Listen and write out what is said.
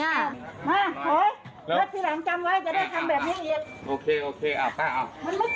วัดที่หลังจำไว้จะได้ทำแบบนี้อีก